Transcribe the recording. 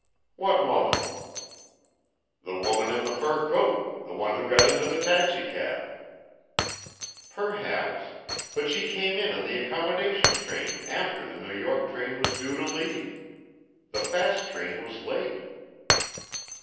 "What woman?" "The woman in the fur coat the one who got into the taxicab." "Perhaps; but she came in on the accommodation train after the New York train was due to leave. The fast train was late."